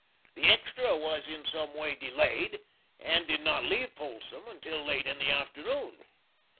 The extra was in some way delayed, and did not leave Folsom until late in the afternoon.